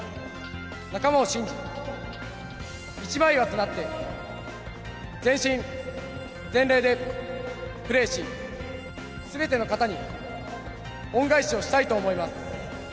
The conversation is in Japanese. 仲間を信じ、一枚岩となって、全身全霊でプレーし、すべての方に恩返しをしたいと思います。